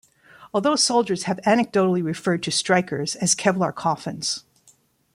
Although soldiers have anecdotally referred to Strykers as Kevlar Coffins.